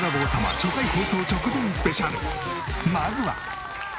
まずは。